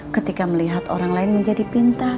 ketika melihat orang lain menjadi pintar